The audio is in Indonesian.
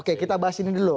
oke kita bahas ini dulu